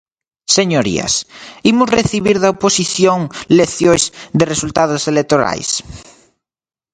Señorías, ¿imos recibir da oposición leccións de resultados electorais?